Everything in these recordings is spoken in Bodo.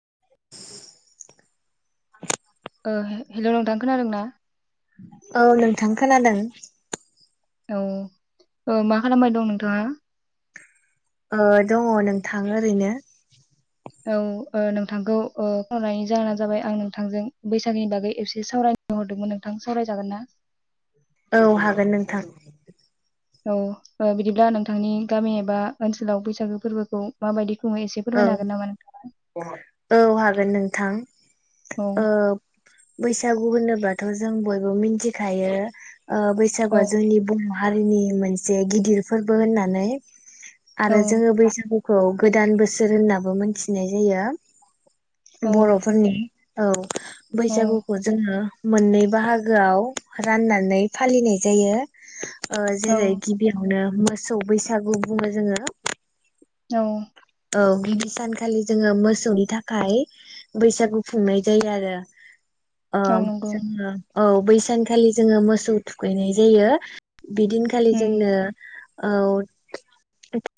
[unintelligible] ओ हेल' नोंथां खोनादों ना? थां खोनादों? औ ओ मा खालामबाय दं नोंथाङा? ओ दङ नोंथां ओरैनो। औ ओ नोंथांखौ ओ फन हरनायनि जाहोनानो जाबाय आं नोंथांजों बैसागोनि बागै एसे सावरायनो हरदोंमोन नोंथां सावरायजागोन ना? औ हागोन नोंथां। औ ओ बिदिब्ला नोंथांनि गामि एबा ओनसोलाव बैसागो फोरबोखौ माबायदि खुङो एसे औ फोरमायनो हागोन नामा नोंथाङा? औ हागोन नोंथां औ ओ बैसागु होनोबथ' जों बयबो मिथिखायो ओ औ बैसागुआ जोंनि बर' हारिनि मोनसे गिदिर फोरबो होननानै औ आरो जोङो बैसागु खौ गोदान बोसोर होननाबो मोनथि नाय जायो। औ बर'फोरनि औ औ बैसागुखौ जोङो मोननै बाहागोआव राननानै फालिनाय जायो। ओ जेरै औ गिबियावनो मोसौ बैसागु बुङो जोङो औ औ गिबि सानखालि जोङो मोसौनि थाखाय बैसागु खुंनाय जायो आरो अ औ नंगौ जोङो औ बैसानखालि जोङो मोसौ थुखैनाय जायो। बिदिनखालि उम जोंनो औ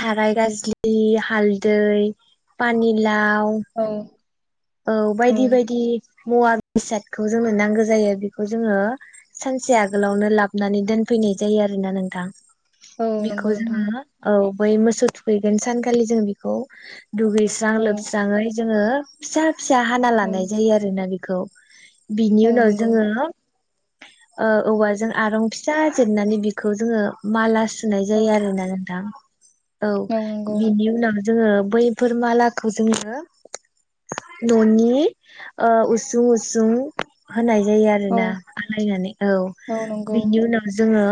थाराय गाजलि हाल दै पानि ला औ औ बायदि बायदि मुवा बेसादखौ जोंनो नांगौ जायो बेखौ जोङो सानसे आगोलावनो लाबोनानै दोनफैनाय जायो आरोना नोंथां। औ नंगौ बेखौ नोंथां जोङो औ बै मोसौ थुखैगोन सानखालि जों बेखौ दुगैस्रां औ लोबस्राङै जोङो फिसा फिसा हाना औ लानाय जायो आरोना बे खौ बिनि औ उनाव नंगौ जोङो ओ औवाजों आरं फिसा जिरनानै बेखौ जोङो माला सुनाय औ जायो आरोना नोंथां। औ बिनि उनाव जोङो बैफोर मालाखौ जोङो न'नि ओ उसुं उसुं होनाय जायो औ आरोना आलायनानै औ बिनि उनाव जोङो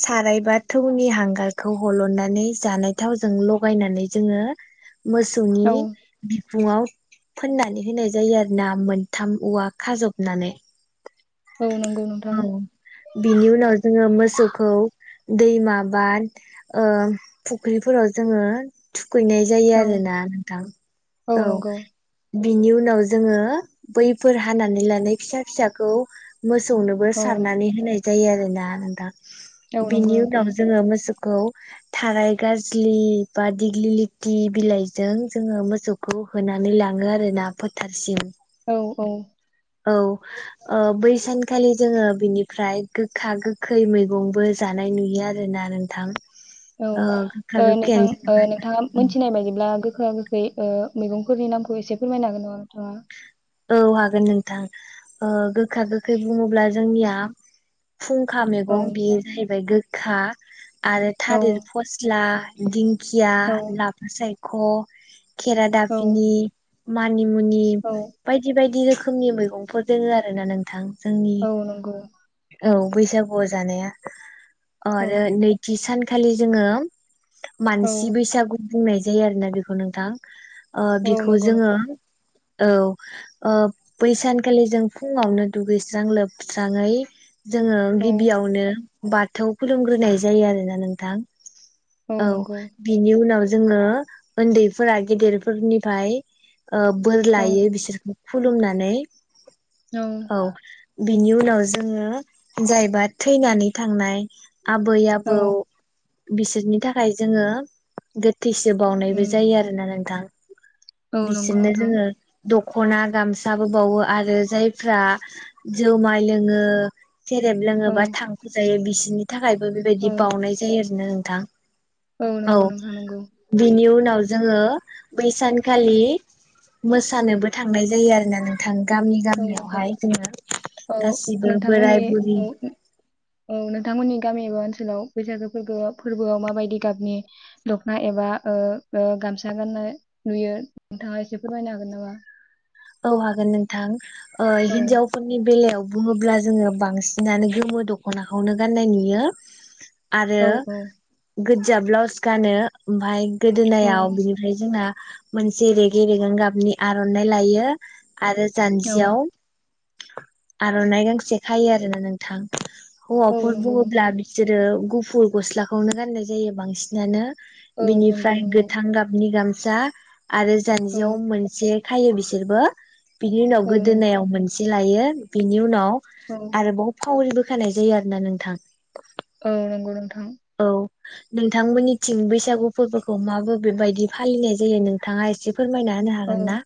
सारायबा थौनि हांगारखौ हलननानै जानाय थावजों लगायनानै जोङो औ मोसौनि फुंआव फोननानै होनाय जायो आरो ना मोनथाम औवा खाजबनानै औ नंगौ नोंथां औ बिनि उनाव जोङो मोसौखौ दैमा बा ओ फुख्रिफोराव जोङो थुखैनाय जायो औ आरो ना नोंथां औ बिनि उनाव जोङो बैफोर हानानै लानाय फिसा फिसाखौ मोसौनोबो औ सारनानै होनाय जायो आरोना नोंथां औ नंगौ बिनि नोंथां उनाव जोङो मोसौ खौ थाराय गाजलि बा दिग्लि लिथि बिलाइजों जोङो मोसौखौ होना नानै लाङो आरोना फोथारसिम औ औ औ ओ बै सानखालि जोङो बिनिफ्राय गोखा गोखै मैगंबो जानाय नुयो आरोना नोंथां। औ ओ गोखा ओ नोंथां गोखैयानो ओ जाहैबाय नोंथाङा मिथिनाय बायदिब्ला गो गोखा गोखै ओ मैगंफोरनि नामखौ एसे फोरमायनो हागोन नामा नोंथाङा। औ हागोन नोंथां ओ गोखा गोखै बुङोब्ला जोंनिया फुंखा औ मैगं बेयो जाहैबाय गो खा आरो औ थालिर फस्ला दिं खिया औ लाबा साय ग खेरा औ दाफिनि मान मानि मुनि औ बायदि बायदि रोखोमनि मैगंफोर दोङो आरो ना नोंथां जोंनि औ नंगौ औ बैसागुआव जानाया औ आरो नैथि सान खालि जोङो औ मानसि बैसाग। बुंनाय जायो आरो ना बेखौ नोंथां। औ बिखौ नंगौ जोङो नोंथां औ। बैसानखालि जों फुङावनो दुगैस्रां लोबस्राङै। जोङो औ गिबियावनो। बाथौ खुलुमग्रोनाय जायो आरो ना नोंथां? औ बिनि उनाव जोङो उन्दैफोरा गेदेरफोरनिफ्राय बोर औ लायो बिसोर खुलुमनानै औ। बेनि उनाव जोङो जायबा थैनानै थांनाय। आबै- औ आबौ। बिसोरनि थाखाय जोङो गोथै थैसो उम बावनायबो जायो आरोना नोंथां। औ नंगौ बिसोरनो नोंथां जोङो दखना खना गामसाबो बावो आरो जायफ्रा जुमाय लोङो। सेरेब औ लोङोबा थांखु जायो बि बिसोर नि थाखायबो बेबायदि औ बावनाय जायो आरो। बिदिनो नोंथां। औ नंगौ नोंथां नंगौ बिनि उनाव जोङो बैसानखालि मोसानोबो था थांनाय जायो आरोना नोंथां। गामि औ नंगौ गामियावहाय जोङो औ गासिबो नोंथांमोननि बोराय बुरि औ औ नोंथांमोननि गामि एबा ओनसोलाव बैसागो फोरबोआव फोरबोआव माबायदि गाबनि दखना एबा ओ ओ गामसा गाननाय नुयो नोंथाङा एसे फोरमायनो हागोन नामा? औ हागोन नोंथां। ओ औ हिन्जावफोरनि बेलायाव बुङोब्ला जोङो बांसिनानो गोमो दखनाखौनो गाननाय नुयो। आरो औ औ गो जा ब्लाउस गानो ओमफाय गोदोनायाव उम बिनिफ्राय जोंना मोनसे रेगे रेगां गाबनि आरनाइ लायो। दा आरो औ जानजियाव आरनाय गांसे खायो आरोना नोंथां औ हौवाफोर नंगौ बुङोब्ला नोंथां बिसोर गु फुल गस्लाखौनो गाननाय जायो बांसिनानो औ नंगौ बिनिफ्राय नंगौ गोथां गाबनि गाम जा आरो औ जान्जियाव मोनसे खायो बि सोरबो बिनि उनाव औ नंगौ गोदोनायाव मोनसे लायो बिनि उनाव औ आरो बहु खलबो [unintelligible] होनाय जायो आरो ना नोंथां औ नंगौ नोंथां औ नोंथांमोननिथिं बैसागु फोरबोखौ मा बोबेबायदि फालिनाय जायो नोंथाङा एसे फोरमायना होनो औ हागोन ना?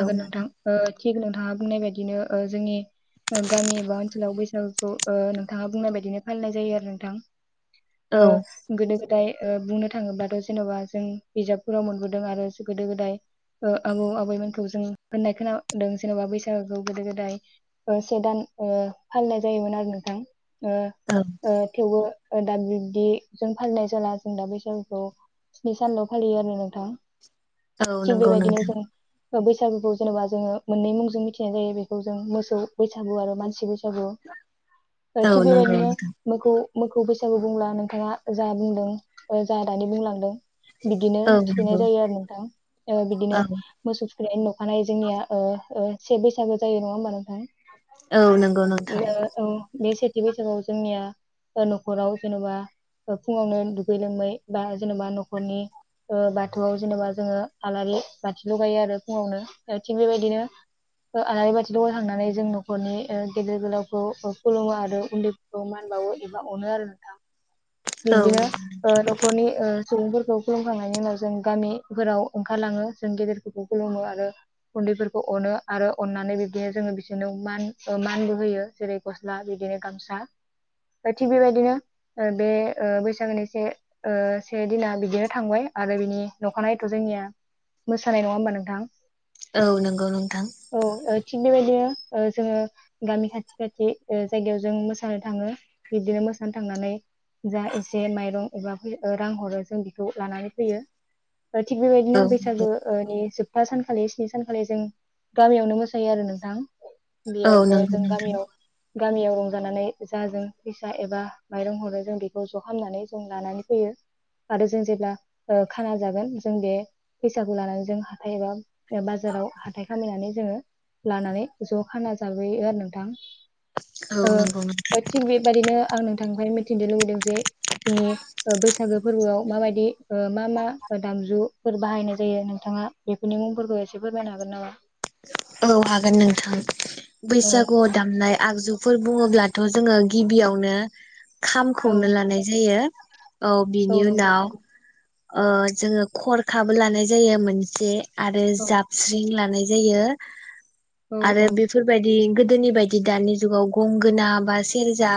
औ नोंथां थिग नोंथाङा बुंनाय बायदिनो ओ जोंनि गामि एबा ओनसोलाव बैसागुखौ ओ नोंथाङा बुंनाय बायदिनो फालिनाय जायो। ओ नोंथां औ गोदो गोदाय ओ बुंनो थाङोबाथ जेनबा जों बिजाबफोराव मोनबोदों आरो गोदो गोदाय ओ आबौ आबैमोनखौ जोङो होननाय खोनादों जेनेबा बैसागोखौ गोदो गोदाय से दान ओ फालिनाय जायोमोन आरो नोंथां ओ औ ओ थेवबो ओ दा बिबदि जों फालिनाय जाला जों दा बैसागुखौ स्नि सानल‌ फालियो आरो औ थिग नंगौ बेबायदिनो नोंथां जों बैसागुखौ जेनेबा जोङो मोननै मुंजों मिथिनाय जायो बेखौ जों मोसौ बैसागु आरो मानसि बैसागु औ थिग नंगौ बेबायदिनो नोंथां बेखौ मोखौ बैसागु बुंब्ला नोंथाङा जा बुंदों जा दानि बुंलांदों बिदिनो औ थुखैनाय नंगौ जायो आरो नों थां बिदिनो औ मोसौ ओै नखानायै जोंनिया ओ ओ से बैसागो जायो नङा होमबा नोंथां। औ नोंगौ नोंथां। थि बैसागुआव जोंनिया ओ न'खराव जेनेबा ओ फुङावनो दुगै लोबै बा जेनेबा न'खरनि ओ बाथौआव जेनबा जोङो आलारि बाथि लगायो आरो फुङावनो थिग बेबायदिनो ओ आलारि बाथि लगाय खांनानै जों नखरनि गेदेर गोलावखौ खुलुमो आरो उन्दैफोरखौ मान बावो एबा अनो आरो नोंथां। औ बिब्दिनो ओ न'खरनि ओ सुबुंफोरखौ खुलुमखांनायनि उनाव जों गामिफोराव ओंखारलाङो जों गेदेरफोरखौ खुलुमो आरो उन्दैफोरखौ अनो आरो अननानै बिब्दिनो जोङो बिसोरनो मान ओ मानबो होयो जेरै गस्ला बिदिनो गामसा थिग बेबायदिनो ओ बे ओ बैसागोनि से ओ से दिना बिदिनो थांबाय आरो बिनि दखानायथ जोंनिया मोसानाय नङा होमबा नोंथां औ नंगौ नोंथां औ ओ थिगबेबायदिनो ओ जोङो गामि खाथि खाथि ओ जायगायाव जों मोसानो थाङो बिदिनो मोसानो थांनानै जा एसे माइरं एबा रां हरो जों बेखौ लानानै फैयो थिग बेबायदिनो औ बैसागो ओ नि जोब था सानखालि स्नि सानखालि जों गामियावनो मोसायो आरो नोंथां औ बेयावनो नंगौ जों नोंथां गामियाव गामियाव रंजानानै जा जों फैसा एबा माइरं हरो जों बेखौ ज खालामनानै जों लानानै फैयो आरो जों जेब्ला ओ खाना जागोन जों बे फैसाखौ लानानै जों हाथाय एबा बाजाराव हाथाय खामायनानै जोङो लानानै ज खाना जाबोयो आरो नोंथां औ ओ नंगौ नोंथां थिग बेबादिनो आं थांफाय मोन मिथिनो लुबैदों जे जोंनि ओ बैसागो फोरबोआव माबायदि ओ मा मा दामजु फोर बाहायनाय जायो नोंथाङा बेफोरनि मुंफोरखौ एसे फोरमायनो हागोन नामा औ हागोन नोंथां औ बैसागुआव दामनाय आगजुफोर बुङोब्लाथ जोङो गिबियावनो औ खामखौनो लानाय जायो औ बिनि नंगौ उनाव नंगौ ओ जोङो खरखाबो लानाय जायो मोनसे आरो औ जाबस्रिं लानाय जायो औ आरो औ बेफोरबायदि गो गोदोनि बायदि दानि जुगाव गंगोना बा सेरजा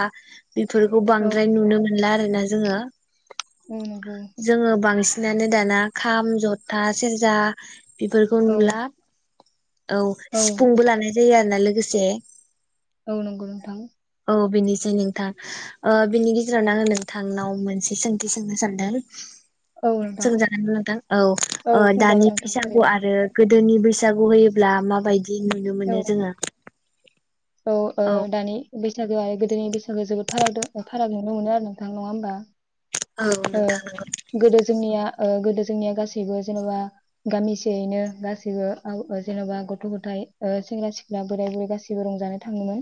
बेफोरखौ औ बांद्राय नुनो मोनला आरो ओमफ्रायना जोङो नंगौ जोङो बांसिन सिनानो दाना खाम जथा सेरजा बेफोरखौ औ नुला औ सिफुंबो लानाय [unintelligible] ना लोगोसे औ नंगौ नोंथां औ बेनोसै नोंथां ओ बिनि गेजेरावनो आं नोंथांखौ थांनाव मोनसे सोंथि थि सोंनो सानदों। औ नोंथां सोंजागोन नोंथां औ औ ओ दानि सोंजागोन नोंथां बैसागु थारैनो आरो गोदोनि बैसा सागु होयोब्ला माबायदि बिदि नुनो मोनो औ जोङो औ ओ दानि बैसागो आरो गोदोनि बैसागु जो जोबोद फाराग दं फाराग नुनो मोनो आरो नोंथां नङा होमबा? औ ओ नोंथां गोदो जोंनिया ओ गोदो जोंनिया गासैबो जेनेबा गामिसेयैनो गासैबो ओ जेनेबा गथ' गथाय ओ सेंग्रा सिख्ला बोराय बुरै गासैबो रंजानो थाङोमोन।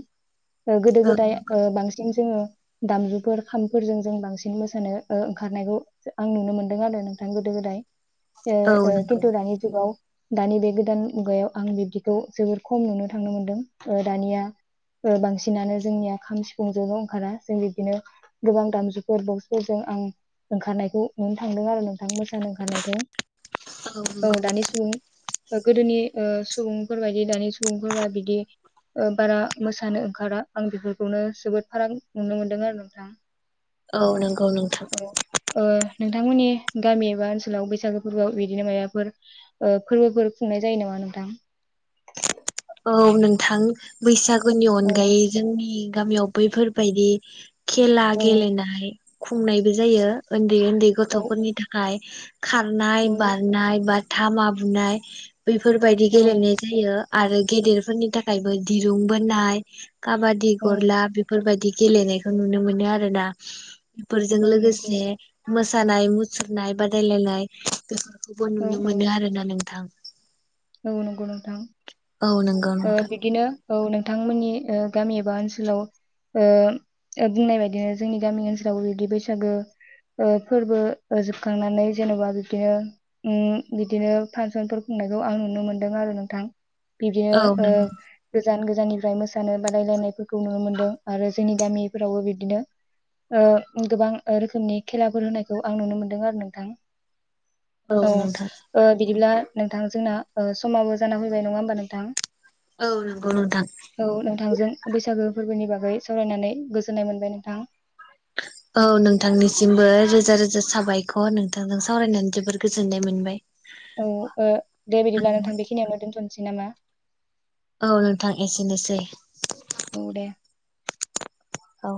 ओ गोदो गोदाय नंगौ ओ बांसिन जोङो दामजुफोर खामफोरजों जों बांसिन मोसानो ओ ओंखारनायखौ आं नुनो मोनदों आरो नोंथां गोदो गोदाय। ओ औ ओ नंगौ खिनथु दानि जुगाव दानि बे गोदान मुगायाव आं बिब्दिखौ जोबोर खम नुनो थांनो मोनदों ओ दानिया ओ बांसिनानो जोंनिया खाम सिफुंजोंल' ओंखारा जों बिब्दिनो गोबां दामजुफोर बावसु जों आं ओंखारनायखौ नुनो थांदों आरो नों आं मोसानो ओंखारनायखौ औ दानि सुबुं गोदोनि ओ सुबुंफोर बायदि दानि सुबुंफोरा बिदि ओ बारा मोसानो ओंखारा आं बेफोरखौनो जोबोद फाराग नुनो मोनदों आरो नोंथां। औ नंगौ नोंथां। औ ओ नोंथांमोननि गामि एबा ओनसोलाव बैसागो फोरबोआव बिदिनो मायबाफोर ओ फोरबोफोर खुंनाय जायो नामा नोंथां? औ नोंथां बैसागु गुनि औ अनगायै जोंनि गामियाव बैफोरबायदि खेला औ गेले नाय खुंनायबो जायो ओन उन्दै उन्दै औ गथ'फोरनि थाखाय खारनाय औ बारनाय बा थामा बुनाय बेफोरबायदि औ गेलेनाय जायो। आरो गेदेरफोरनि थाखायबो दिरुं बोनाय। काबादि औ गरला बेफोरबायदि गेलेनायखौ नुनो मोनो आरोना। बेफोरजों औ नंगौ लोगोसे मोसानाय मुसुरनाय बादायलायनाय बे खौबो औ नुनो मोनो आरोना नोंथां औ नंगौ नंगौ नोंथां औ नोंगौ ओ नोंथां बिदिनो औ नोंथांमोननि ओ गामि एबा ओनसोलाव ओ बुंनाय बायदिनो जोंनि गामि ओनसोलाव बिबदि बैसागो ओ फोरबो जोबखांनानै जेन'बा बिदिनो उम बिदिनो फासनफोर खुंनायखौ आं नुनो मोनदों आरो नोंथां बिदिनो औ ओ नंगौ गोजान गोजा जानिफ्राय मोसानाय बादायलायनायफोरखौ नुनो मोनदों आरो जोंनि गामिफोरावबो बिदिनो ओ गोबां रोखोमनि खेलाफोर होनायखौ आं नुनो मोनदों आरो नोंथां औ ओ बिदिब्ला नोंथां जोंना ओ समाबो जा फैबाय नङा होमबा नोंथां औ नंगौ नोंथां औ नोंथांजों बैसागो फोरबोनि बागै बै सावरायनानै गोजोननाय मोनबाय नोंथां औ नोंथांनिसिमबो रोजा रोजा साबायखर नोंथांजों सावरायनानै जबोर गोजोननाय मोनबाय औ ओ दे बिदिब्ला नोंथां बेखिनियानो दोनथ' सैनामा औ नोंथां एसेनोसै औ दे औ